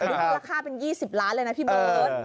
ราคาเป็น๒๐ล้านบาทเลยนะพี่เมิ๊ด